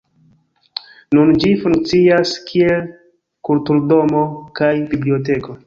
Nun ĝi funkcias kiel kulturdomo kaj biblioteko.